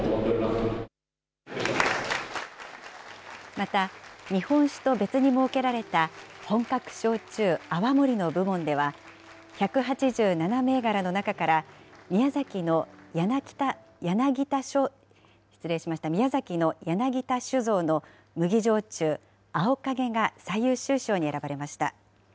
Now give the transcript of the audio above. また、日本酒と別に設けられた本格焼酎、泡盛の部門では１８７銘柄の中から、宮崎の柳田酒造の麦焼酎、青鹿毛が最優秀賞に選ばれました。